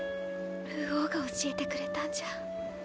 流鶯が教えてくれたんじゃん。